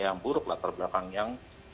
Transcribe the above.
yang buruk lah terbelakang yang